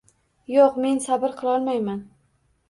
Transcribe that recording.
Yoʻq men sabr qilolmayman